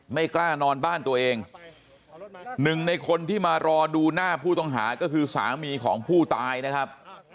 ไม่กล้านอนบ้านตัวเองหนึ่งในคนที่มารอดูหน้าผู้ต้องหาก็คือสามีของผู้ตายนะครับ